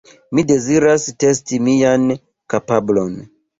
Mi deziras testi mian kapablon.